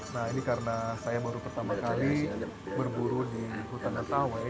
nah ini karena saya baru pertama kali berburu di hutan mentawai